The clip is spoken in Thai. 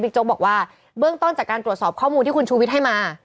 โจ๊กบอกว่าเบื้องต้นจากการตรวจสอบข้อมูลที่คุณชูวิทย์ให้มา